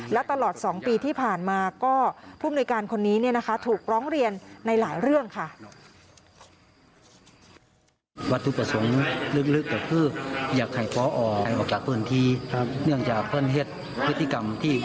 และตลอด๒ปีที่ผ่านมาก็ผู้มนุยการคนนี้ถูกร้องเรียนในหลายเรื่องค่ะ